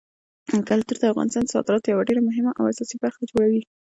کلتور د افغانستان د صادراتو یوه ډېره مهمه او اساسي برخه جوړوي.